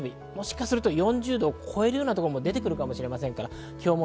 もしかすると４０度を超えるようなところも出てくるかもしれません。